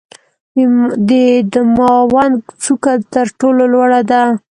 د دماوند څوکه تر ټولو لوړه ده.